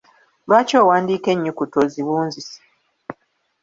Lwaki owandiika ennyukuta oziwuzise?